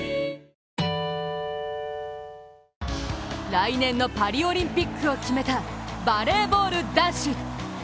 来年のパリオリンピックを決めたバレーボール男子。